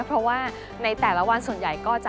เพราะว่าในแต่ละวันส่วนใหญ่ก็จะ